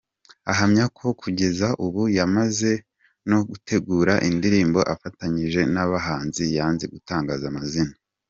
Ahamya ko kugeza ubu yamaze no gutegura indirimbo afatanyije n'abahazi yanze gutangaza amazina.